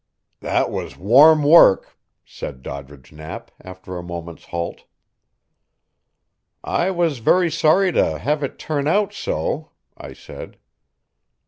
"That was warm work," said Doddridge Knapp after a moment's halt. "I was very sorry to have it turn out so," I said.